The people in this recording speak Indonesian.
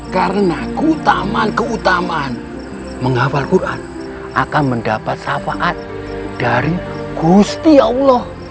karena keutamaan keutamaan menghafal quran akan mendapat syafaat dari gusti allah